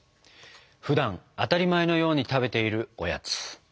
ふだん当たり前のように食べているおやつ。